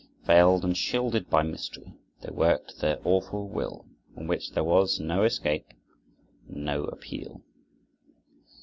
Veiled and shielded by mystery, they worked their awful will, from which there was no escape and no appeal.